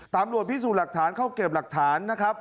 ตำรวจพิสูจน์หลักฐานเข้าเก็บหลักฐานนะครับ